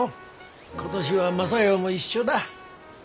今年は雅代も一緒だ。